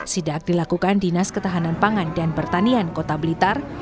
sidak dilakukan dinas ketahanan pangan dan pertanian kota blitar